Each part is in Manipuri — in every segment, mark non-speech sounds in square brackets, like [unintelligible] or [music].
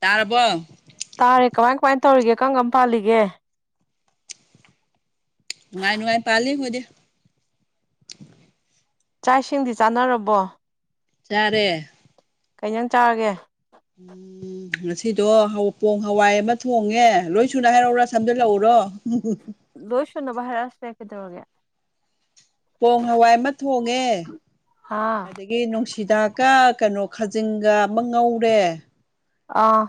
ꯇꯔꯥꯕꯣ ꯇꯥꯔꯦ ꯀꯃꯥꯏ ꯀꯃꯥꯏꯅ ꯇꯧꯔꯤꯒꯦ ꯀꯔ ꯀꯔ ꯄꯥꯜꯂꯤꯒꯦ ꯅꯨꯡꯉꯥꯏ ꯅꯨꯡꯉꯥꯏ ꯄꯥꯜꯂꯤ ꯑꯩꯈꯣꯏꯗꯤ ꯆꯥꯛ ꯏꯁꯤꯡꯗꯤ ꯆꯥꯟꯅꯔꯕꯣ ꯆꯥꯔꯦ ꯀꯩ ꯏꯟꯁꯥꯡ ꯆꯥꯔꯒꯦ [unintelligible] ꯉꯁꯤꯗꯣ ꯄꯣꯡ ꯍꯋꯥꯏ ꯑꯃ ꯊꯣꯡꯉꯦ ꯂꯣꯏ ꯁꯨꯅ ꯍꯥꯏꯔꯛꯎꯔꯥ ꯁꯝꯖꯜꯂꯛꯎꯔꯣ ꯂꯣꯏꯁꯨꯅꯕ ꯍꯥꯏꯔꯛ ꯑꯁꯨ ꯌꯥꯏ ꯀꯩꯗꯧꯔꯒ‌ꯦ ꯄꯣꯡ ꯍꯋꯥꯏ ꯑꯃ ꯊꯣꯡꯉꯦ ꯑꯥ ꯑꯗꯒꯤ ꯒꯤ ꯅꯨꯡꯁꯤꯗꯥꯛꯀ ꯀꯩꯅꯣ ꯈꯥꯖꯤꯡꯒ ꯑꯃ ꯉꯧꯔꯦ ꯑꯥ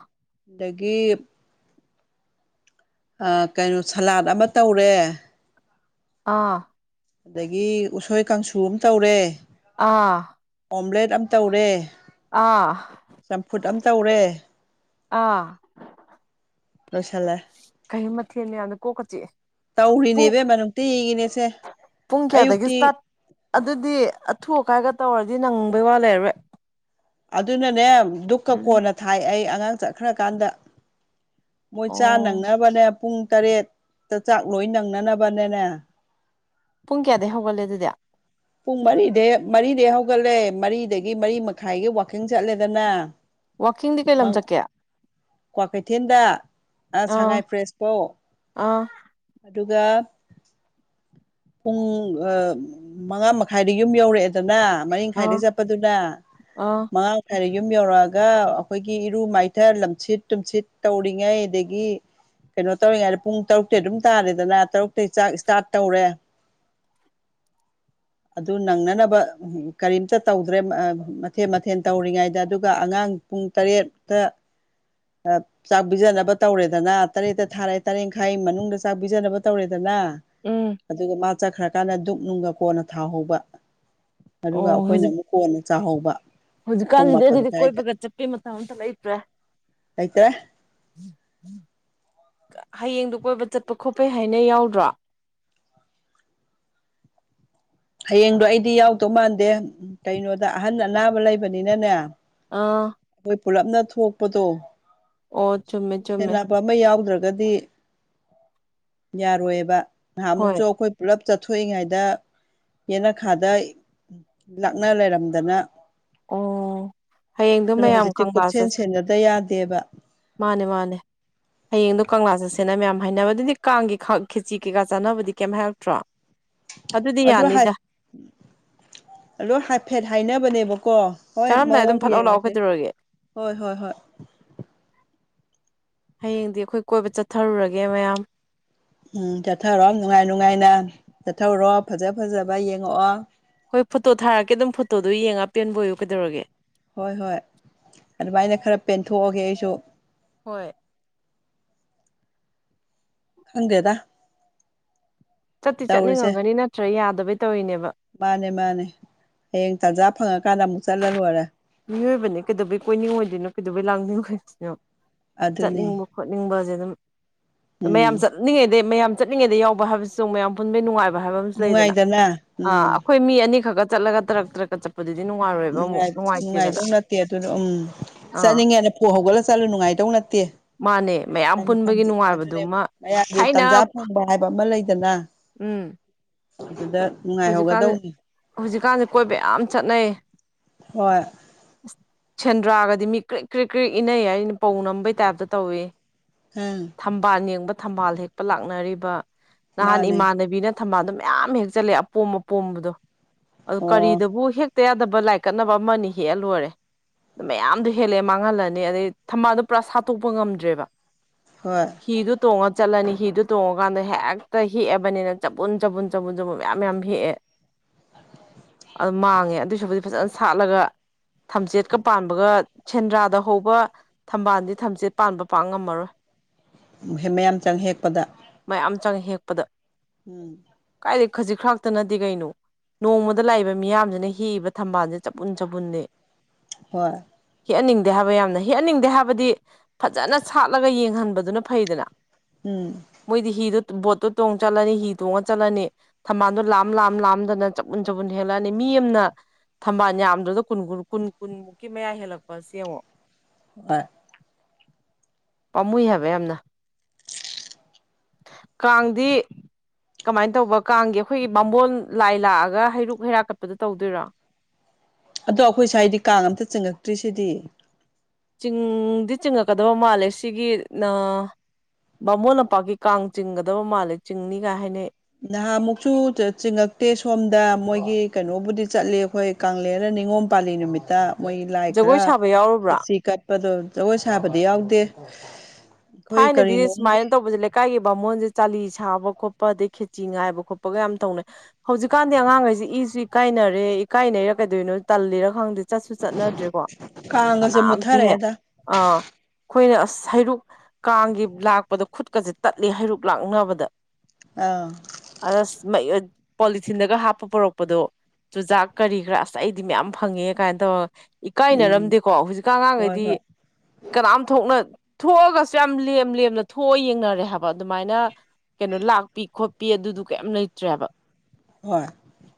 ꯗꯒꯤ ꯑꯩ ꯀꯩꯅꯣ ꯁꯂꯥꯠ ꯑꯃ ꯇꯧꯔꯦ ꯑꯥ ꯗꯒꯤ ꯎꯁꯣꯏ ꯀꯥꯡꯁꯨ ꯑꯃ ꯇꯧꯔꯦ ꯑꯥ ꯑꯣꯝꯂꯦꯠ ꯑꯃ ꯇꯧꯔꯦ ꯑꯥ ꯆꯝꯐꯨꯠ ꯑꯃꯝ ꯇꯧꯔꯦ ꯑ ꯂꯣꯏꯁꯜꯂꯦ ꯀꯩꯅ‌ꯣ ꯃꯊꯦꯟ ꯌꯥꯝꯗ‌ꯣ ꯀꯣꯛꯀ ꯆꯤꯛꯑꯦ ꯇꯧꯔꯤꯅꯦ ꯄꯨꯡ ꯏꯕꯤꯝꯃ ꯅꯨꯡꯇꯤꯒꯤ ꯅ‌ꯦ ꯁ‌ꯦ ꯄꯨꯡ ꯀꯌꯥꯗꯒꯤ ꯑꯌꯨꯛꯇꯤ ꯏꯁꯇꯥꯔꯠ ꯑꯗꯨꯗꯤ ꯑꯊꯨ ꯑꯀꯥꯏꯒ ꯇꯧꯔꯗꯤ ꯅꯪꯕꯩ ꯋꯥ ꯂꯩꯔꯔꯣꯏ ꯑꯗꯨꯅꯅꯦ ꯗꯨꯛꯀ ꯎꯝ ꯀꯣꯟꯅ ꯊꯥꯏ ꯑꯩ ꯑꯉꯥꯡ ꯆꯠꯈ꯭ꯔꯀꯥꯟꯗ ꯃꯣꯏ ꯆꯥ ꯑꯣ ꯅꯪꯅꯕꯅꯦ ꯄꯨꯡ ꯇꯔꯦꯠꯇ ꯆꯥꯛ ꯂꯣꯏ ꯅꯪꯅꯅꯕꯅꯦꯅꯦ ꯄꯨꯡ ꯀꯌꯥꯗꯩ ꯍꯧꯒꯠꯂꯦ ꯑꯗꯨꯗꯤ ꯄꯨꯡ ꯃꯔꯤꯗꯩ ꯃꯔꯤꯗꯩ ꯍꯧꯒꯠꯂꯦ ꯃꯔꯤꯗꯒꯤ ꯃꯔꯤ ꯃꯈꯥꯏꯒꯤ ꯋꯥꯛꯀꯤꯡ ꯆꯠꯂꯦꯗꯅ ꯋꯥꯛꯀꯤꯡꯗꯤ ꯀꯩ ꯂꯝ ꯆꯠꯀꯦ ꯀ꯭ꯋꯥꯀꯩꯊꯦꯜꯗ ꯁꯉꯥꯏ ꯑ ꯄ꯭ꯔꯦꯁ ꯐꯧ ꯑꯥ ꯑꯗꯨꯒ ꯄꯨꯡ ꯑ ꯃꯉꯥ ꯃꯈꯥꯏꯗ ꯌꯨꯝ ꯌꯧꯔꯛꯑꯦꯗꯅ ꯃꯔꯤ ꯑꯥ ꯃꯈꯥꯏꯗꯩ ꯆꯠꯄꯗꯨꯅ ꯑꯥ ꯃꯉꯥ ꯍꯥꯏꯔ ꯌꯨꯝ ꯌꯧꯔꯛꯑꯒ ꯑꯩꯈꯣꯏꯒꯤ ꯏꯔꯨ ꯃꯥꯏꯊ ꯂꯝꯁꯤꯠ ꯇꯨꯝꯁꯤꯠ ꯇꯧꯔꯤꯉꯩ ꯑꯗꯒꯤ ꯀꯩꯅꯣ ꯇꯧꯔꯤꯉꯩꯗ ꯄꯨꯡ ꯇꯔꯨꯛꯇꯤ ꯑꯗꯨꯝ ꯇꯥꯔꯦꯗꯅ ꯇꯔꯨꯛꯇꯒꯤ ꯆꯥꯛ ꯏꯁꯇꯥꯔꯠ ꯇꯧꯔꯦ ꯑꯗꯨ ꯅꯪꯅꯅꯕ ꯀꯔꯤꯝꯇ ꯇꯧꯗ꯭ꯔꯦ ꯃꯊꯦꯜ ꯃꯊꯦꯜ ꯇꯧꯔꯤꯉꯩꯗ ꯑꯗꯨꯒ ꯑꯉꯥꯡ ꯄꯨꯡ ꯇꯔꯦꯠꯇ ꯆꯥꯛ ꯄꯤꯖꯅꯕ ꯇꯧꯔꯦꯗꯅ ꯇꯔꯦꯠꯇ ꯊꯥꯔꯦ ꯇꯔꯦꯈꯥꯏ ꯃꯅꯨꯡꯗ ꯆꯥꯛ ꯄꯤꯖꯅꯕ ꯇꯧꯔꯦꯗꯅ ꯎꯝ ꯑꯗꯨꯒ ꯃꯥ ꯆꯠꯈ꯭ꯔꯀꯥꯟꯗ ꯗꯨꯛ ꯅꯨꯡꯒ ꯀꯣꯟꯅ ꯊꯥꯍꯧꯕ ꯑꯗꯨꯒ ꯑꯩꯈꯣꯏꯅ ꯑꯃꯨꯛ꯫ ꯀꯣꯟꯅ ꯆꯥꯍꯧꯕ ꯄꯨꯡ ꯍꯧꯖꯤꯛꯀꯥꯟꯖꯤꯗꯤ ꯃꯥꯄꯟ ꯑꯗꯨꯗꯤ ꯁ꯭ꯋꯥꯏꯗ ꯀꯣꯏꯕꯒ ꯆꯠꯄꯩ ꯃꯇꯝ ꯑꯝꯇ ꯂꯩꯇ꯭ꯔꯦ ꯂꯩꯇ꯭ꯔꯦ [inaudible] ꯍꯌꯦꯡꯗꯨ ꯀꯣꯏꯕ ꯆꯠꯄ ꯈꯣꯠꯄꯩ ꯍꯥꯏꯅ ꯌꯥꯎꯗ꯭ꯔꯣ ꯍꯌꯦꯡꯗꯣ ꯑꯩꯗꯤ ꯌꯥꯎꯗꯧ ꯃꯥꯟꯗꯦ ꯀꯩꯅꯣꯗ ꯑꯍꯟ ꯑꯅꯥꯕ ꯂꯩꯕꯅꯤꯅꯅꯦ ꯑꯥ ꯑꯩꯈꯣꯏ ꯄꯨꯜꯂꯞꯅ ꯊꯣꯛꯄꯗꯣ [inaudible] ꯑꯣ ꯆꯨꯝꯃꯦ ꯆꯨꯝꯃꯦ [unintelligible] [unintelligible] ꯑꯃ ꯌꯥꯎꯗ꯭ꯔꯒꯗꯤ ꯌꯥꯔꯣꯏꯑꯕ ꯅꯍꯥꯟꯃꯨꯛꯁꯨ ꯍꯣꯏ ꯑꯩꯈꯣꯏ ꯄꯨꯂꯞ ꯆꯠꯊꯣꯛꯏꯉꯩꯗ ꯌꯦꯅꯈꯥꯗ ꯂꯥꯛꯅ ꯂꯩꯔꯝꯗꯅ ꯑꯣ ꯍꯌꯦꯡꯗꯣ ꯑꯗꯨꯅ ꯃꯌꯥꯝ ꯍꯧꯖꯤꯛꯇꯤ ꯀꯪꯂꯥ ꯀꯨꯞꯁꯦꯟ ꯆꯠ ꯁꯦꯟꯅꯗ ꯌꯥꯗꯦꯕ ꯃꯥꯅꯦ ꯃꯥꯅꯦ ꯍꯌꯦꯡꯗꯣ ꯀꯪꯂꯥ ꯆꯠꯁꯦꯅ ꯃꯌꯥꯝ ꯍꯥꯏꯅꯕ ꯑꯗꯨꯗꯤ ꯀꯥꯡꯒꯤ ꯈꯦꯆꯤ ꯀꯩꯀꯥ ꯆꯥꯅꯕꯗꯤ ꯀꯩꯝ ꯍꯥꯏꯔꯛꯇ꯭ꯔꯣ [unintelligible] ꯑꯗꯨꯗꯤ ꯑꯗꯨ [unintelligible] ꯌꯥꯅꯤꯗ ꯑꯗꯨ ꯍꯥꯏꯐꯦꯠ ꯍꯥꯏꯅꯕꯅꯦꯕꯀꯣ ꯍꯣꯏ ꯆꯥꯔꯝꯗꯥꯏ ꯑꯗꯨꯝ ꯃꯑꯣꯡ ꯐꯠꯂꯥꯎ ꯂꯥꯛꯑꯣ ꯌꯦꯡꯉꯁꯦ ꯀꯩꯗꯧꯔꯒꯦ ꯍꯣꯏ ꯍꯣꯏ ꯍꯣꯏ ꯍꯌꯦꯡꯗꯤ ꯑꯩꯈꯣꯏ ꯀꯣꯏꯕ ꯆꯠꯊꯔꯨꯔꯒꯦ ꯃꯌꯥꯝ ꯎꯝ ꯆꯠꯊꯔꯣ ꯅꯨꯡꯉꯥꯏ ꯅꯨꯡꯉꯥꯏꯅ ꯆꯠꯊꯧꯔꯣ ꯐꯖ ꯐꯖꯕ ꯌꯦꯡꯉꯛꯑꯣ ꯍꯣꯏ ꯐꯣꯇꯣ ꯊꯥꯔꯛꯀꯦ ꯑꯗꯨꯝ ꯐꯣꯇꯣꯗꯣ ꯌꯦꯡꯉꯒ ꯄꯦꯟꯕ ꯑꯣꯏꯌꯨ ꯀꯩꯗꯧꯔꯒꯦ ꯍꯣꯏ ꯍꯣꯏ ꯑꯗꯨꯃꯥꯏꯅ ꯈꯔ ꯄꯦꯟꯊꯣꯛꯑꯒꯦ ꯑꯩꯁꯨ ꯍꯣꯏ ꯈꯪꯗꯦꯗ [inaudible] ꯆꯠꯇꯤ ꯇꯧꯔꯤꯁꯦ ꯆꯠꯅꯤꯡꯉꯝꯒꯅꯤ ꯅꯠꯇ꯭ꯔ ꯌꯥꯗꯕꯩ ꯇꯧꯔꯤꯅꯦꯕ ꯃꯥꯅꯦ ꯃꯥꯅꯦ ꯍꯌꯦꯡ ꯇꯥꯟꯖꯥ ꯐꯪꯉꯀꯥꯟꯗ ꯑꯃꯨꯛ ꯆꯠꯂ ꯂꯣꯏꯔꯦ ꯃꯤꯑꯣꯏꯕꯅꯦ ꯀꯩꯗꯧꯕꯩ ꯀꯣꯏꯅꯤꯡꯉꯣꯏꯗꯣꯏꯅꯣ ꯀꯩꯗꯧꯕꯩ ꯂꯥꯡꯅꯤꯡꯉꯣꯏꯗꯣꯏꯅꯣ ꯑꯗꯨꯅꯦ ꯆꯠꯅꯤꯡꯕ ꯈꯣꯠꯅꯤꯡꯕꯖꯦꯑꯗꯨꯝ ꯃꯌꯥꯝ ꯎꯝ ꯆꯠꯂꯤꯉꯩꯗ ꯃꯌꯥꯝ ꯆꯠꯂꯤꯉꯩꯗ ꯌꯥꯎꯕ ꯍꯥꯏꯕꯁ ꯃꯌꯥꯝ ꯄꯨꯟꯕꯩ ꯅꯨꯡꯉꯥꯏꯕ ꯍꯥꯏꯕ ꯑꯃꯁꯨ ꯂꯩꯗꯅ ꯅꯨꯡꯉꯥꯏꯗꯅ ꯑ ꯎꯝ ꯑꯩꯈꯣꯏ ꯃꯤ ꯑꯅꯤꯈꯛꯀ ꯆꯠꯂꯒ ꯇꯔꯛ ꯇꯔꯛꯀ ꯆꯠꯄ ꯗꯨꯗꯤ ꯅꯨꯡꯉꯥꯏꯔꯣꯏꯕ ꯑꯃꯨꯛ ꯅꯨꯡꯉꯥꯏ ꯅꯨꯡꯉꯥꯏꯗꯧ ꯅꯠꯇꯦ ꯑꯗꯨꯗ ꯎꯝ ꯑꯥ ꯆꯠꯅꯤꯡꯉꯦꯅ ꯐꯨꯛ ꯍꯧꯒꯠꯂ ꯆꯠꯂꯨ ꯅꯨꯡꯉꯥꯏꯗꯧ ꯅꯠꯇꯦ ꯃꯥꯅꯦ ꯃꯌꯥꯝ ꯄꯨꯟꯕꯒꯤ [unintelligible] ꯑꯗꯨꯅꯦ ꯅꯨꯡꯉꯥꯏꯕꯗꯨꯃ ꯃꯌꯥꯝꯒꯤ ꯊꯥꯏꯅ ꯇꯥꯟꯖꯥ ꯐꯪꯕ ꯍꯥꯏꯕ ꯑꯃ ꯂꯩꯗꯅ ꯎꯝ ꯑꯗꯨꯗ ꯍꯧꯖꯤꯛꯀꯥꯟ ꯅꯨꯡꯉꯥꯏꯍꯧꯒꯗꯧꯅꯤ ꯍꯧꯖꯤꯛꯀꯥꯟꯖꯦ ꯀꯣꯏꯕ ꯌꯥꯝ ꯆꯠꯅꯩ ꯍꯣꯏ [unintelligible] ꯁꯦꯟꯗ꯭ꯔꯥꯒꯗꯤ ꯃꯤ ꯀ꯭ꯔꯤꯛ ꯀ꯭ꯔꯤꯛ ꯀ꯭ꯔꯤꯛ ꯏꯅꯩ ꯍꯥꯏꯖꯖꯤꯅꯤ ꯄꯧ ꯅꯝꯕꯩ ꯇꯥꯏꯞꯇ ꯇꯧꯏ ꯎꯝ ꯊꯝꯕꯥꯜ ꯌꯦꯡꯕ ꯊꯝꯕꯥꯜ ꯍꯦꯛꯄ ꯂꯥꯛꯅꯔꯤꯕ ꯅꯍꯥꯟ ꯃꯥꯅꯦ ꯏꯃꯥꯟꯅꯕꯤꯅ ꯊꯝꯕꯥꯜꯗꯣ ꯃꯌꯥꯝ ꯍꯦꯛ ꯆꯜꯂꯑꯦ ꯑꯄꯣꯝ ꯑꯄꯣꯝꯕꯗꯣ ꯑꯗꯨ ꯑꯣ ꯀꯔꯤꯗꯕꯨ ꯍꯦꯛꯇ ꯌꯥꯗꯕ ꯂꯥꯏꯛ ꯀꯠꯅꯕ ꯑꯃ ꯑꯅꯤ ꯍꯦꯛꯑ ꯂꯣꯏꯔꯦ ꯃꯌꯥꯝꯗꯨ ꯍꯦꯜꯂꯦ ꯃꯥꯡꯍꯜꯂꯅꯤ ꯑꯗꯩ ꯊꯝꯕꯥꯜꯗꯣ ꯄꯨꯔꯥ ꯁꯥꯠꯇꯣꯛꯄ ꯉꯝꯗ꯭ꯔꯦꯕ ꯍꯣꯏ ꯍꯤꯗꯨ ꯇꯣꯡꯉ ꯆꯠꯂꯅꯤ ꯍꯤꯗꯨ ꯇꯣꯡꯉꯀꯥꯟꯗ ꯍꯦꯛꯇ ꯍꯦꯛꯑꯕꯅꯦꯅ ꯆꯕꯨꯟ ꯆꯕꯨꯟ ꯆꯕꯨꯟ ꯆꯕꯨꯟ ꯃꯌꯥꯝ ꯃꯌꯥꯝ ꯍꯦꯛꯑꯦ ꯑꯗꯨ ꯃꯥꯡꯉꯦ ꯑꯗꯨꯏꯁꯔꯨꯛꯄꯨꯗꯤ ꯐꯖꯅ ꯁꯥꯠꯂꯒ ꯊꯝꯆꯦꯠꯀ ꯄꯥꯟꯕꯒ ꯁꯦꯟꯗ꯭ꯔꯥꯗ ꯍꯧꯕ ꯊꯝꯕꯥꯜꯗꯤ ꯊꯝꯆꯦꯠ ꯄꯥꯟꯕ ꯄꯥꯡ ꯉꯝꯃꯔꯣꯏ [unintelligible] ꯃꯌꯥꯝ ꯆꯪ ꯍꯦꯛꯄꯗ ꯃꯌꯥꯝ ꯆꯪꯉ ꯍꯦꯛꯄꯗ ꯎꯝ ꯀꯥꯏꯗꯩ ꯈꯖꯤꯛ ꯈꯔꯥꯛ ꯅꯠꯇꯦ ꯀꯩꯅꯣ ꯅꯣꯡꯃꯗ ꯂꯥꯛꯏꯕ ꯃꯤꯌꯥꯝꯖꯝꯅ ꯍꯦꯛ ꯏꯕ ꯊꯝꯕꯥꯜꯖꯦ ꯆꯕꯨꯟ ꯆꯕꯨꯟꯅꯦ ꯍꯣꯏ ꯍꯦꯛꯍꯟꯅꯤꯡꯗꯦ ꯍꯥꯏꯕ ꯌꯥꯝꯅ ꯍꯦꯛꯍꯟꯅꯤꯡꯗꯦ ꯍꯥꯏꯕꯗꯤ꯫ ꯐꯖꯅ ꯁꯥꯠꯂꯒ ꯌꯦꯡꯍꯟꯕꯗꯨꯅ ꯐꯩꯗꯅ ꯎꯝ ꯃꯣꯏꯗꯤ ꯍꯤꯗꯨ ꯕꯣꯠꯇꯣ ꯇꯣꯡ ꯆꯠꯂꯅꯤ ꯍꯤ ꯇꯣꯡꯉ ꯆꯠꯂꯅꯤ ꯊꯝꯕꯥꯜ ꯂꯥꯝ ꯂꯥꯝ ꯂꯥꯝꯗꯅ ꯆꯄꯨꯟ ꯆꯄꯟ ꯍꯦꯜꯂꯛꯑꯅꯤ ꯃꯤ ꯑꯃꯅ ꯊꯝꯕꯥꯜ ꯌꯥꯝꯗ꯭ꯔꯥꯒ ꯀꯨꯟ ꯀꯨꯟ ꯀꯨꯟ ꯀꯨꯟꯃꯨꯛꯀꯤ ꯃꯌꯥ ꯍꯦꯜꯂꯛꯄꯁ‌ꯦ ꯌꯦꯡꯉꯣ ꯑ [unintelligible] ꯄꯥꯝꯃꯨꯏ ꯍꯥꯏꯕ ꯌꯥꯝꯅ ꯀꯥꯡꯗꯤ ꯀꯃꯥꯏꯅ ꯇꯧꯕ ꯀꯥꯡꯒꯤ ꯑꯩꯈꯣꯏꯒꯤ ꯕꯥꯝꯕꯣꯟ ꯂꯥꯏ ꯂꯥꯛꯑꯒ ꯍꯩꯔꯨꯛ ꯍꯩꯔꯥ ꯀꯠꯄꯗ ꯇꯧꯗꯣꯏꯔꯣ ꯑꯗꯣ ꯑꯩꯈꯣꯏ ꯁꯥꯋꯏꯗꯤ ꯀꯥꯡ ꯑꯝꯇ ꯆꯤꯡꯉꯛꯇ꯭ꯔꯤꯁꯤꯗꯤ ꯆꯤꯡꯗꯤ ꯆꯤꯡꯉꯛꯀꯗꯕ ꯃꯥꯜꯂꯦ ꯁꯤꯒꯤ ꯅꯥ ꯕꯥꯃꯣꯟ ꯅꯄꯥꯛꯀꯤ ꯀꯥꯡ ꯆꯤꯡꯒꯗꯕ ꯃꯥꯜꯂꯦ ꯆꯤꯡꯅꯤ ꯀꯥ‌ ꯍꯥꯏꯅꯩ꯫ ꯅꯍꯥꯃꯨꯛꯁꯨ ꯆꯤꯡꯉꯛꯇꯦ ꯁꯣꯝꯗ ꯃꯣꯏꯒꯤ ꯀꯩꯅꯣꯕꯨꯗꯤ ꯆꯠꯂꯤ ꯑꯩꯈꯣꯏ꯫ ꯀꯥꯡꯂ‌ꯦꯔ ꯅꯤꯉꯣꯝ ꯄꯥꯜꯂꯤ ꯅꯨꯃꯤꯠꯇ ꯃꯣꯏꯒꯤ ꯂꯥꯏ ꯖꯒꯣꯏ ꯈꯔ ꯁꯥꯕ ꯌꯥꯎꯔꯨꯕ꯭ꯔꯥ ꯈ‌ꯦꯆꯤ ꯀꯠ ꯄꯗꯣ ꯖꯒꯣꯏ ꯁꯥꯕꯗꯤ ꯌꯥꯎꯗꯦ꯫ ꯑꯩꯈꯣꯏ ꯊꯥꯏꯅꯗꯤ ꯀꯔꯤꯅꯣꯝꯒꯤ ꯁꯨꯃꯥꯏꯅ ꯇꯧꯕꯁꯦ ꯀꯥꯏꯒꯤ ꯕꯥꯃꯣꯟꯁꯦ ꯆꯥꯂꯤ ꯁꯥꯕ ꯈꯣꯠꯄ ꯑꯗꯩ ꯈꯦꯆꯤ ꯉꯥꯏꯕ ꯈꯣꯠꯄꯒ ꯌꯥꯝ ꯇꯧꯅꯩ ꯍꯧꯖꯤꯛꯀꯥꯟꯗꯤ ꯑꯉꯥꯡꯈꯩꯁꯤ ꯏꯁꯨ ꯏꯀꯥꯏꯅꯔꯦ ꯏꯀꯥꯏꯅꯩꯔ ꯀꯩꯗꯣꯏꯅꯣ ꯇꯜꯂꯤꯔ ꯈꯪꯗꯦ ꯆꯠꯁꯨ ꯆꯠꯅꯗ꯭ꯔꯦꯀꯣ ꯀꯥꯡꯒꯁꯦ ꯀꯅꯥꯝꯇ ꯍꯦꯛ ꯃꯨꯠꯊꯔꯛꯑꯦꯗ ꯑꯥ ꯑꯩꯈꯣꯏꯅ ꯑꯁ ꯍꯩꯔꯨꯛ ꯀꯥꯡꯒꯤ ꯂꯥꯛꯄꯗ ꯈꯨꯠꯀꯁꯦ ꯇꯠꯂꯤ ꯍꯩꯔꯨꯛ ꯂꯥꯛꯅꯕꯗ꯫ ꯑꯧ ꯑꯗ ꯄꯣꯂꯤꯊꯤꯟꯗꯒ ꯍꯥꯞꯄ ꯄꯨꯔꯛꯄꯗꯣ ꯆꯨꯖꯥꯛ ꯀꯔꯤ ꯀꯔꯥ ꯑꯁ ꯑꯩꯗꯤ ꯃꯌꯥꯝ ꯐꯪꯉꯦ ꯀꯥꯏꯅ ꯇꯧꯔꯒ ꯎꯝ ꯏꯀꯥꯏꯅꯔꯝꯗꯦꯀꯣ ꯍꯧꯖꯤꯛꯀꯥꯟ ꯍꯣꯏ ꯑꯉꯥꯡꯈꯩꯗꯤ ꯍꯣꯏ ꯀꯅꯥꯝ ꯊꯣꯛꯅ ꯊꯣꯛꯑꯒ ꯌꯥꯝ ꯂꯦꯝ ꯂꯦꯝꯅ ꯊꯣꯛꯑ ꯌꯦꯡꯅꯔꯦ ꯍꯥꯏꯕ ꯑꯗꯨꯃꯥꯏꯅ ꯀꯩꯅꯣ ꯂꯥꯛꯄꯤ ꯈꯣꯠꯄꯤ ꯑꯗꯨꯗꯨ ꯀꯩꯌꯥꯝ ꯂꯩꯇ꯭ꯔꯦ ꯍꯥꯏꯕ ꯍꯣꯏ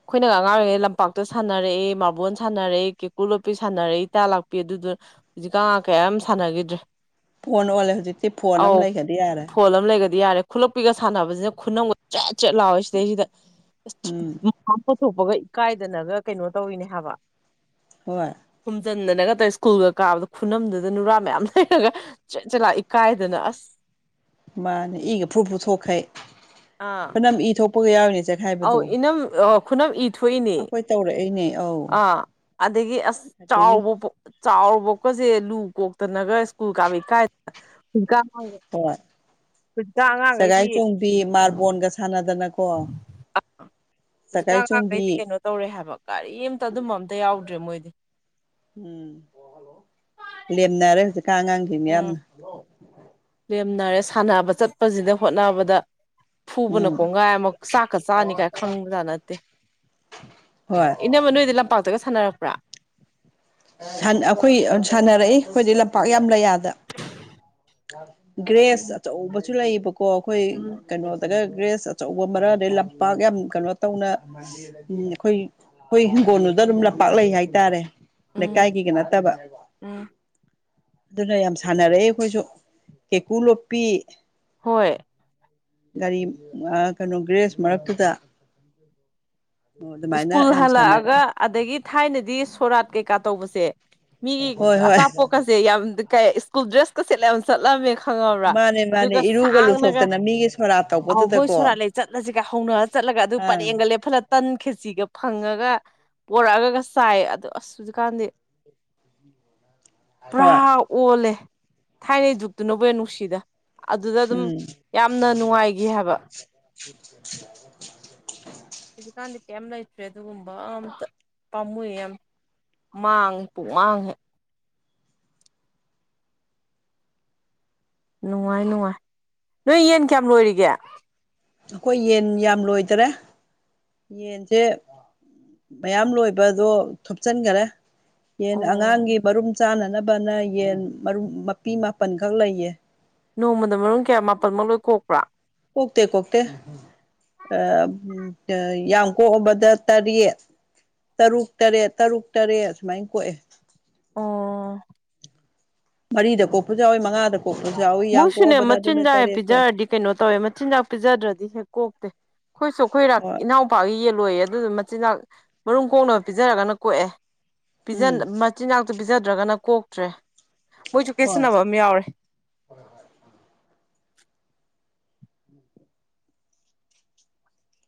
ꯑꯩꯈꯣꯏꯅꯒ ꯑꯉꯥꯡ ꯑꯣꯏꯔꯤꯉꯩ ꯂꯝꯄꯥꯛꯇ ꯁꯥꯟꯅꯔꯛꯑꯦ ꯃꯥꯔꯕꯣꯟ ꯁꯥꯟꯅꯔꯛꯑꯦ ꯀꯦꯀꯨ ꯂꯣꯞꯄꯤ ꯁꯥꯟꯅꯔꯛꯏ ꯏꯇꯥ ꯂꯥꯛꯄꯤ ꯑꯗꯨꯗꯨ ꯍꯧꯖꯤꯛ ꯀꯥ ꯀꯌꯥꯝ ꯁꯥꯟꯅꯈꯤꯗ꯭ꯔꯦ꯫ ꯄꯨꯡꯟ ꯑꫭꯟ ꯑꯣꯜꯂꯦ ꯍꯧꯖꯤꯛꯇꯤ ꯐꯣꯟ ꯑꯧ ꯑꯃ ꯂꯩꯈꯔꯗꯤ ꯌꯥꯔꯦ꯫ ꯐꯣꯟ ꯂꯩꯒꯗꯤ ꯌꯥꯔꯦ ꯈꯨꯜꯂꯛꯄꯤꯒ ꯁꯥꯟꯅꯕꯁꯤꯅ ꯈꯨꯅꯝꯒ ꯆꯦꯠ ꯆꯦꯠ ꯂꯥꯎꯋꯦ ꯁꯤꯗꯩꯁꯤꯗ ꯎꯝ ꯍꯥꯞꯄꯊꯣꯛꯄꯒ [unintelligible] ꯏꯀꯥꯏꯗꯅꯒ ꯀꯩꯅꯣ ꯇꯧꯔꯤꯅꯦ ꯍꯥꯏꯕ꯫ ꯍꯣꯏ꯫ ꯈꯨꯝꯖꯤꯟꯗꯅꯒꯇꯧꯏ ꯁ꯭ꯀꯨꯜꯒ ꯀꯥꯕꯗ ꯈꯨꯅꯝꯗꯨꯗ ꯅꯨꯔꯥ ꯃꯌꯥꯝ ꯂꯩꯔꯒ꯫ ꯆꯠ ꯆꯠꯂꯥꯛ ꯏꯀꯥꯏꯗꯅ ꯑꯁ ꯃꯥꯅꯦ ꯏꯒ ꯐ꯭ꯔꯨ ꯐ꯭ꯔꯨ ꯊꯣꯛꯈꯩ ꯑꯥ ꯈꯨꯈꯣꯏꯅꯝ ꯏ ꯊꯣꯛꯄꯒ ꯌꯥꯎꯔꯤꯅꯤ ꯁ‌ꯦ ꯑꯧ ꯏꯅꯝ ꯑꯥ ꯈꯨꯅꯝ ꯏ ꯊꯣꯛꯏꯅꯦ ꯑꯩꯈꯣꯏ ꯇꯧꯔꯛꯏꯅꯦ ꯑꯧ ꯑꯥ ꯑꯗꯒꯤ ꯑꯁ ꯑꯗꯒꯤ ꯆꯥꯎꯕ ꯆꯥꯎꯔꯕꯣꯛꯀꯁꯦ ꯂꯨ ꯀꯣꯛꯇꯅꯒ ꯁ꯭ꯀꯨꯜ ꯀꯥꯕꯩ ꯀꯥꯏꯗ꯫ [unintelligible] ꯍꯣꯏ ꯁꯒꯥꯏ ꯑꯉꯥꯡꯈꯩꯗꯤ ꯆꯣꯡꯕꯤ ꯃꯥꯔꯕꯣꯟꯒ ꯁꯥꯟꯅꯗꯅꯀꯣ ꯁꯒꯥꯏ ꯍꯧꯖꯤꯛꯀꯥꯟ ꯆꯣꯡꯕꯤ ꯑꯉꯥꯡꯈꯩꯗꯤ ꯀꯩꯅꯣ ꯇꯧꯔꯦ ꯍꯥꯏꯕ ꯀꯔꯤꯝꯇ ꯑꯗꯨꯝꯕ ꯑꯝꯇ ꯌꯥꯎꯗ꯭ꯔꯦ ꯃꯣꯏꯗꯤ ꯎꯝ ꯂꯦꯝꯅꯔꯦ ꯍꯧꯖꯤꯛ ꯀꯥꯟ ꯑꯉꯥꯡꯁꯤꯡꯁꯤ ꯎꯝ ꯌꯥꯝꯅ ꯂꯦꯝꯅꯔꯦ ꯁꯥꯟꯅꯕ ꯆꯠꯄꯁꯤꯗ ꯍꯣꯠꯅꯕꯗ ꯐꯨꯕꯅ ꯎꯝ ꯀꯣꯡꯒꯥꯏ ꯑꯃ ꯆꯥꯛꯀ ꯆꯥꯅꯤ ꯀꯥꯏ ꯈꯪꯕꯖꯥ ꯅꯠꯇꯦ꯫ ꯍꯣꯏ ꯏꯅꯝꯃ ꯅꯣꯏꯗꯤ ꯂꯝꯄꯥꯛꯇꯒ ꯁꯥꯟꯅꯔꯛꯄ꯭ꯔꯥ ꯑꯩꯈꯣꯏ ꯁꯥꯟꯅꯔꯛꯏ ꯑꯩꯈꯣꯏꯗꯤ ꯂꯝꯄꯥꯛ ꯌꯥꯝ ꯂꯩ ꯑꯗ ꯒ꯭ꯔꯦꯁ ꯎꯝ ꯑꯆꯧꯕꯁꯨ ꯂꯩꯕꯀꯣ ꯑꯩꯈꯣꯏ ꯀꯩꯅꯣ ꯇꯒ ꯒ꯭ꯔꯦꯁ ꯑꯆꯧꯕ ꯃꯔꯛ ꯑꯗꯩ ꯂꯝꯄꯥꯛ ꯌꯥꯝ ꯀꯩꯅꯣ ꯇꯧꯅ꯫ ꯎꯝ ꯑꯩꯈꯣꯏ ꯑꯩꯈꯣꯏ ꯍꯤꯡꯒꯣꯜꯗꯨꯗ ꯑꯗꯨꯝ ꯂꯝꯄꯥꯛ ꯂꯩ ꯍꯥꯏꯇꯥꯔꯦ ꯎꯝ ꯂꯩꯀꯥꯏꯒꯤꯒ ꯅꯠꯇꯕ ꯎꯝ ꯑꯗꯨꯅ ꯌꯥꯝ ꯁꯥꯟꯅꯔꯛꯦ ꯑꯩꯈꯣꯏꯁꯨ ꯀꯩꯀꯨꯂꯣꯞꯄꯤ꯫ ꯍꯣꯏ꯫ ꯒꯥꯔꯤ ꯀꯩꯅꯣ ꯒ꯭ꯔꯦꯖ ꯃꯔꯛꯇꯨꯗ ꯑꯣ ꯑꯗꯨꯃꯥꯏꯅ ꯁ꯭ꯀꯨꯜꯗ ꯌꯥꯝ ꯍꯜꯂꯛꯑꯒ ꯁꯥꯟꯅꯔꯛꯑꯦ ꯑꯗꯒꯤ ꯊꯥꯏꯅꯗꯤ ꯁꯣꯔꯥꯠ ꯀꯩꯀꯥ ꯇꯧꯕꯁꯦ ꯃꯤꯒꯤ ꯍꯣꯏ ꯍꯣꯏ ꯑꯆꯥꯄꯣꯠꯀꯁꯦ ꯌꯥꯝ꯫ ꯀ ꯏꯁꯀꯨꯜ ꯗ꯭ꯔꯦꯁ ꯀ ꯁꯦꯠꯂꯦ꯫ ꯆꯠꯂꯝꯃꯦ ꯈꯪꯉꯕ꯭ꯔꯥ ꯃꯥꯅꯦ ꯃꯥꯅꯦ ꯑꯗꯨꯒ ꯏꯔꯨꯒ ꯁꯥꯡꯅꯒ ꯂꯨꯊꯣꯛꯇꯅ ꯃꯤꯒꯤ ꯁꯣꯔꯥꯠ ꯑꯍꯣꯡꯕꯣꯏ ꯁꯣꯔꯥ ꯇꯧꯕꯗꯨꯗꯀꯣ ꯂꯩ ꯆꯠꯂꯁꯤꯒ ꯍꯧꯅꯔ ꯆꯠꯂꯒ ꯑꯗꯨ ꯑꯥ ꯄꯔꯦꯡꯒ ꯂꯦꯞꯍꯠꯂ ꯇꯟ ꯈꯦꯆꯤꯒ ꯐꯪꯉꯒ ꯄꯣꯔꯛꯑꯒ ꯆꯥꯏ ꯑꯗꯨ ꯑꯁꯖꯤ ꯀꯥꯟꯗꯤ꯫ ꯄꯨꯔꯥ ꯍꯣꯏ ꯑꯣꯜꯂꯦ ꯊꯥꯏꯅꯩ ꯨꯛꯇꯨꯕꯨ ꯌꯥ ꯅꯨꯡꯁꯤꯗ꯫ ꯑꯗꯨꯗ ꯑꯗꯨꯝ ꯎꯝ ꯌꯥꯝꯅ ꯅꯨꯡꯉꯥꯏꯈꯤ ꯍꯥꯏꯕ꯫ ꯎ꯫ ꯍꯧꯖꯤꯛꯀꯥꯟꯗꯤ ꯀꯦꯝ ꯂ ꯏꯠ꯭ꯔꯦ ꯑꯗꯨ ꯑꯗꯨꯒꯨꯝꯕ ꯑꯝꯇ ꯄꯥꯝꯃꯨꯏ ꯑꯃ ꯃꯥꯡ ꯄꯃꯥꯡꯉ ꯅꯨꯡꯉꯥꯏ ꯅꯨꯡꯉꯥꯏ ꯅꯣꯏ ꯌꯦꯟ ꯀꯌꯥꯝ ꯂꯣꯏꯔꯤꯒꯦ꯫ ꯑꯩꯈꯣꯏ ꯌꯦꯟ ꯌꯥꯝ ꯂꯣꯏꯗꯔꯦ꯫ ꯌꯦꯟꯁꯦ ꯃꯌꯥꯝ ꯂꯣꯏꯕꯗꯣ ꯊꯨꯞꯆꯟꯈꯔꯦ꯫ ꯌꯦꯟ ꯑꯣ ꯑꯉꯥꯡꯒꯤ ꯃꯔꯨꯝ ꯆꯥꯅꯅꯕꯅ ꯌꯦꯟ ꯃꯔꯨꯝ ꯃꯄꯤ ꯃꯥꯄꯜ ꯈꯛ ꯂꯩꯌꯦ ꯅꯣꯡꯃꯗ ꯃꯔꯨꯝ ꯀꯌꯥ ꯃꯥꯄꯜꯃꯛ ꯂꯣꯏ ꯀꯣꯛꯄ꯭ꯔꯥ ꯀꯣꯛꯇ ꯀꯣꯛꯇꯦ ꯌꯥꯝ ꯀꯣꯛꯑꯕꯗ ꯇꯔꯦꯠ ꯇꯔꯨꯛ ꯇꯔꯦꯠ ꯇꯔꯨꯛ ꯇꯔꯦꯠ ꯁꯨꯃꯥꯏꯅ ꯀꯣꯛꯑꯦ꯫ ꯑꯣ꯫ ꯃꯔꯤꯗ ꯀꯣꯛꯄꯁꯨ ꯌꯥꯎꯋꯏ ꯃꯉꯥꯗ ꯀꯣꯛꯄꯁꯨ ꯌꯥꯎꯋꯤ ꯌꯥꯝ ꯃꯣꯏꯁꯨꯅꯦ ꯀꯣꯛꯑꯕꯗ ꯑꯗꯨꯅ ꯃꯆꯤꯟꯖꯥꯛ ꯍꯦꯛ ꯇꯔꯦꯠ ꯀꯣꯛꯑꯦ ꯄꯤꯖꯔꯗꯤ ꯀꯩꯅꯣ ꯇꯧꯋꯦ ꯃꯆꯤꯟꯖꯥꯛ ꯄꯤꯖꯗ꯭ꯔꯗꯤ ꯍꯦꯛ ꯀꯣꯛꯇꯦ꯫ ꯑꯩꯈꯣꯏꯁꯨ ꯑꯩꯈꯣꯏꯔꯥꯛ ꯍꯣꯏ ꯏꯅꯥꯎ꯫ ꯄꯥꯛꯒꯤ ꯌꯦꯜꯂꯣꯏꯌꯦ ꯑꯗꯨꯗꯨ ꯃꯆꯤꯟꯅꯥꯥꯛ ꯃꯔꯨꯝ ꯈꯣꯡꯅꯕ ꯄꯤꯖꯔꯒꯅ ꯀꯣꯛꯑꯦ ꯎꯝ ꯆꯤꯟꯖꯥꯛꯇꯨ ꯄꯤꯖꯗ꯭ꯔꯒꯅ ꯀꯣꯛꯇ꯭ꯔꯦ ꯃꯣꯏꯁꯨ ꯍꯣꯏ ꯀꯦꯁꯤꯟꯅꯕ ꯑꯃ ꯌꯥꯎꯔꯦ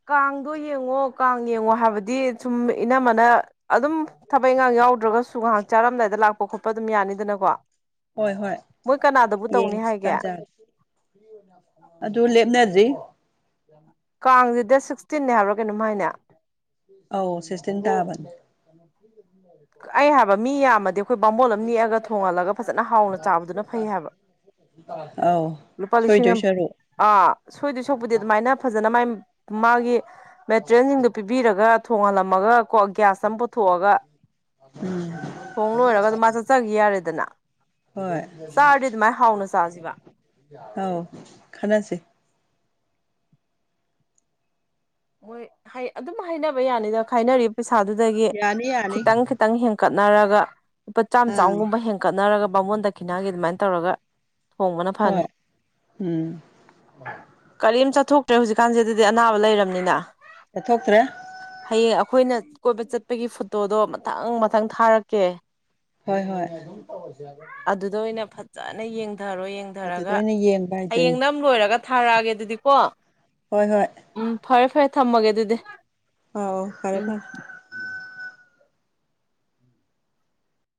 ꯀꯥꯡꯗꯣ ꯌꯦꯡꯉꯣ ꯀꯥꯡ ꯌꯦꯡꯉꯣ ꯍꯥꯏꯕꯗꯤ ꯁꯨꯝ ꯏꯅꯝꯃꯅ ꯑꯗꯨꯝ ꯊꯕꯛ ꯏꯪꯉꯥꯡ ꯌꯥꯎꯗ꯭ꯔꯒꯁꯨ ꯉꯥꯏꯍꯥꯛ ꯆꯥꯔꯝꯗꯥꯏꯗ ꯂꯥꯛꯄ ꯈꯣꯠꯄ ꯑꯗꯨꯝ ꯌꯥꯅꯤꯗꯅꯀꯣ ꯍꯣꯏ ꯍꯣꯏ ꯃꯣꯏ ꯀꯅꯥꯗꯕꯨ ꯇꯧꯅꯤ ꯌꯦꯡꯁꯤ ꯍꯥꯏꯒꯦ ꯇꯥꯟꯖꯔꯒꯦ ꯑꯗꯨ ꯂꯦꯞꯅꯗ꯭ꯔꯤ ꯀꯥꯡꯁꯤꯗ ꯁꯤꯛꯁꯇꯤꯟꯅꯦ ꯍꯥꯏꯕ꯭ꯔꯥ ꯀꯩꯅꯣꯝ ꯍꯥꯏꯅꯦ ꯑꯧ ꯁꯤꯦꯁꯇꯦꯟ ꯇꯕꯟ [unintelligible] ꯑꯩ ꯍꯥꯏꯕ ꯃꯤ ꯌꯥꯝꯃꯗꯤ ꯑꯩꯈꯣꯏ ꯕꯥꯝꯕꯣꯜ ꯑꯃ ꯅꯦꯛꯑꯒ ꯊꯣꯡꯍꯜꯂꯒ ꯐꯖꯅ ꯍꯥꯎꯅ ꯆꯥꯕꯗꯨꯅ ꯐꯩ ꯍꯥꯏꯕ ꯑꯥꯎ ꯂꯨꯄꯥ ꯂꯤꯁꯤꯡ ꯑꯃ ꯁꯣꯏꯗꯏꯁꯔꯣ ꯑꯥ ꯁꯣꯏꯗꯣꯏ ꯁꯣꯛꯄꯗꯤ ꯑꯗꯨꯃꯥꯏꯅ ꯐꯖꯅ ꯃꯥꯥꯏ ꯃꯥꯒꯤ ꯃꯦꯇꯔꯤꯌꯦꯜꯁꯤꯡꯗꯨꯣ ꯄꯤ ꯊꯥꯕꯤꯔꯒ ꯊꯣꯡꯍꯜꯂꯝꯃꯒ ꯀꯣ ꯒ꯭ꯌꯥꯁ ꯑꯃ ꯄꯨꯊꯣꯛꯑꯒ ꯎꯝ ꯊꯣꯡ ꯂꯣꯏꯔꯒ ꯑꯗꯨꯝ ꯃꯥ ꯆꯠꯆꯈꯤ ꯌꯥꯔꯦꯗꯅ ꯍꯣꯏ ꯆꯥꯔꯗꯤ ꯑꯗꯨꯃꯥꯏꯅ ꯍꯥꯎꯅ ꯆꯥꯁꯤꯕ ꯍꯥꯎ ꯈꯅꯥꯁꯦ ꯃꯣꯏ ꯑꯗꯨꯝ ꯍꯥꯏꯅꯕ ꯌꯥꯅꯤꯗ ꯈꯥꯏꯅꯔꯤꯕ ꯄꯩꯁꯥꯗꯨꯗꯒꯤ ꯌꯥꯅꯤ ꯌꯥꯅꯤ ꯈꯤꯇꯪ ꯈꯤꯇꯪ ꯍꯦꯟꯀꯠꯅꯔꯒ ꯂꯨꯄꯥ ꯆꯥꯝꯃ ꯑꯥ ꯆꯥꯝꯒꯨꯝꯕ ꯍꯦꯟꯀꯠꯅꯔꯒ ꯃꯕꯥꯉꯣꯟꯗ ꯈꯤꯠꯅꯈꯤ ꯑꯗꯨꯃꯥꯏꯅ ꯇꯧꯔꯒ ꯊꯣꯡꯕꯅ ꯐꯅꯤ ꯍꯣꯏ ꯎꯝ ꯀꯔꯤꯝ ꯆꯠꯊꯣꯛꯇ꯭ꯔꯦ ꯍꯧꯖꯤꯛꯀꯥꯟꯁꯤꯗꯗꯤ ꯑꯅꯥꯕ ꯂꯩꯔꯕꯅꯤꯅ ꯆꯠꯊꯣꯛꯇ꯭ꯔꯦ ꯍꯌꯦꯡ ꯑꯩꯈꯣꯏꯅ ꯀꯣꯏꯕ ꯆꯠꯄꯒꯤ ꯐꯣꯇꯣꯗꯣ ꯃꯊꯪ ꯃꯊꯪ ꯊꯥꯔꯛꯀꯦ ꯍꯣꯏ ꯍꯣꯏ ꯑꯗꯨ ꯑꯗꯨꯗ ꯑꯣꯏꯅ ꯐꯖꯅ ꯌꯦꯡꯊꯔꯣ ꯑꯗꯨꯗ ꯌꯦꯡꯊꯔꯒ ꯑꯣꯏꯅ ꯌꯦꯡꯕ ꯍꯥꯏꯗꯨꯅꯤ ꯍꯌꯦꯡ ꯅꯝ ꯂꯣꯏꯔꯒ ꯊꯥꯔꯛꯑꯒꯦ ꯑꯗꯨꯗꯤ ꯀꯣ ꯍꯣꯏ ꯍꯣꯏ ꯎꯝ ꯐꯔꯦ ꯐꯔꯦ ꯊꯝꯃꯒꯦ ꯑꯗꯨꯗꯤ ꯑꯣ ꯑꯣ ꯐꯔꯦ ꯎꯝ ꯐꯥꯏꯔ